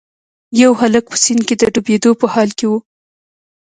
یو هلک په سیند کې د ډوبیدو په حال کې و.